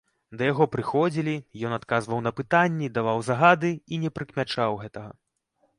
Да яго прыходзілі, ён адказваў на пытанні, даваў загады і не прыкмячаў гэтага.